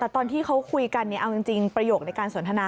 แต่ตอนที่เขาคุยกันเอาจริงประโยคในการสนทนา